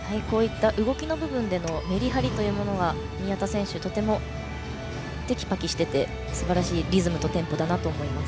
動きの部分でのメリハリというものは宮田選手、とてもてきぱきしててすばらしいリズムとテンポだなと思います。